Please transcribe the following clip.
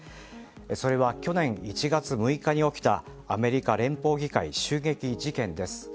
それは去年１月６日に起きたアメリカ連邦議会襲撃事件です。